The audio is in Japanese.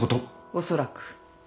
おそらく。